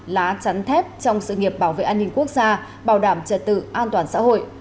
lá chắn thép trong sự nghiệp bảo vệ an ninh quốc gia bảo đảm trật tự an toàn xã hội